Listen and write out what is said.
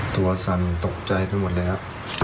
ตัวสั่นตกใจไปหมดแล้ว